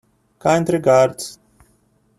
Kind regards.